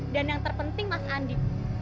dan yang terpenting mas andi